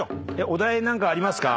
お題何かありますか？